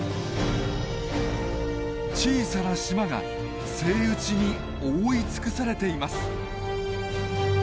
小さな島がセイウチに覆い尽くされています。